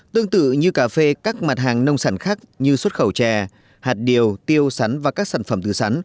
tương tự như cà phê các mặt hàng nông sản khác như xuất khẩu chè hạt điều tiêu sắn và các sản phẩm từ sắn